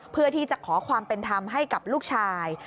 เพื่อที่จะขอความเป็นธรรมให้กับลูกชาย